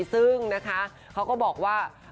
ซึ่งนะคะเขาก็บอกว่า